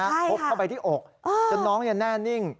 พบเข้าไปที่อกจนน้องแน่นิ่ง